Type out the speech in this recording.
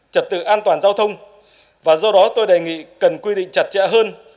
trật tự an toàn giao thông và do đó tôi đề nghị cần quy định chặt chẽ hơn